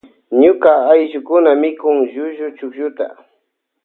Ñuka allukuka mikun llullu chuklluta.